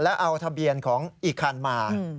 แล้วเอาทะเบียนของอีกคันมา